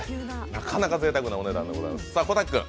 なかなかぜいたくなお値段でございます。